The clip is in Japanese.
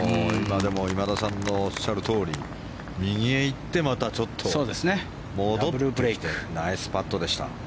でも今田さんのおっしゃるとおり右へ行ってまたちょっと戻ってきてナイスパットでした。